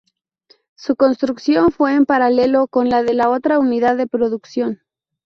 Su construcción fue en paralelo con la de la otra unidad de producción.